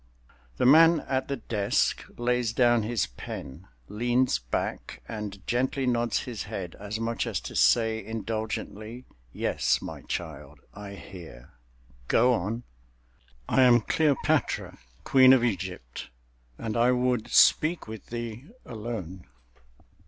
The man at the desk lays down his pen, leans back and gently nods his head, as much as to say, indulgently, "Yes, my child, I hear—go on!" "I am Cleopatra, Queen of Egypt, and I would speak with thee, alone."